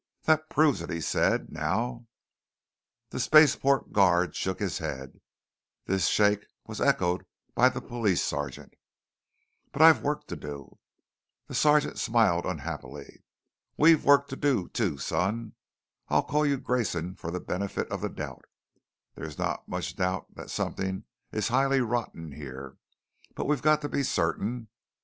"That proves it," he said. "Now " The spaceport guard shook his head. This shake was echoed by the sergeant of police. "But I've work to do " The sergeant smiled unhappily. "We've work to do too, son. I'll call you Grayson for the benefit of the doubt. There is not much doubt that something is highly rotten here, but we've got to be certain.